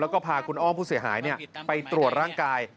แล้วก็พาคุณอ้อมผู้เสียหายไปตรวจร่างกาย